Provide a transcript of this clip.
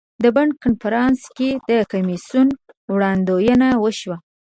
د بن کنفرانس کې د کمیسیون وړاندوینه وشوه.